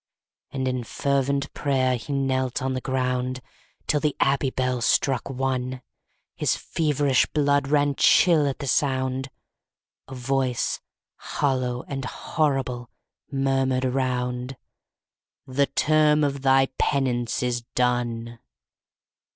8. And in fervent pray'r he knelt on the ground, Till the abbey bell struck One: His feverish blood ran chill at the sound: A voice hollow and horrible murmured around _45 'The term of thy penance is done!'